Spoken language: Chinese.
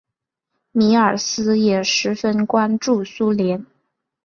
米尔斯也十分关注苏联。